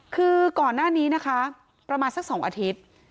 คือก่อนหน้านี้นะคะประมาณสัก๒อาทิตย์